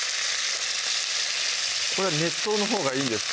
これは熱湯のほうがいいんですか？